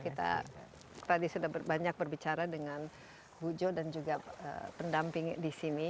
kita tadi sudah banyak berbicara dengan bu jo dan juga pendamping di sini